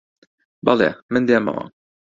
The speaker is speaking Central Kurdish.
بەڵێ، من دێمەوە